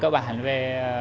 cơ bản về